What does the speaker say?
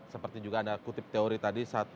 seperti juga anda kutip teori tadi